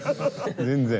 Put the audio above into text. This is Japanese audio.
全然。